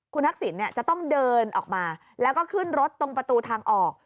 คุณทักษิณจะต้องเดินออกมาแล้วก็ขึ้นรถตรงประตูทางออก